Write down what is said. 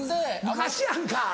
昔やんか！